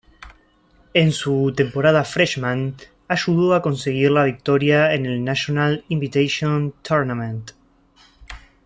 En su temporada "freshman" ayudó a conseguir la victoria en el National Invitation Tournament.